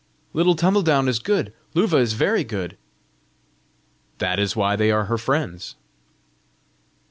"Little Tumbledown is good! Luva is very good!" "That is why they are her friends."